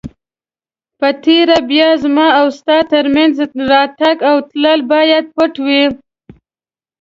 په تېره بیا زما او ستا تر مینځ راتګ او تلل باید پټ وي.